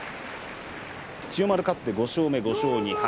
千代丸、勝って５勝目、５勝２敗。